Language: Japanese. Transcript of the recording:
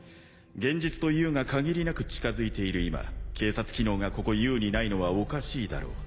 現実とＵが限りなく近づいている今警察機能がここＵにないのはおかしいだろう。